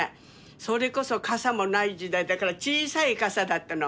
それこそ傘もない時代だから小さい傘だったの。